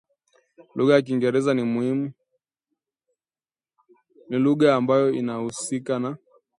Lugha ya Kiingereza ni lugha ambayo inahusika na